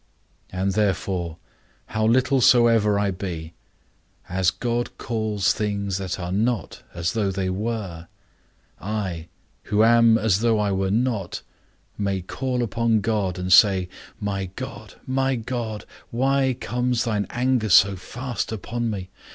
And therefore how little soever I be, as God calls things that are not, as though they were, I, who am as though I were not, may call upon God, and say, My God, my God, why comes thine anger so fast upon me?